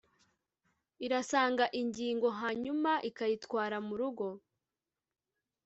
irasanga ingingo, hanyuma ikayitwara murugo.